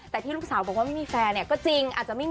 แต่ที่ลูกสาวว่ามี่แฟนก็จริง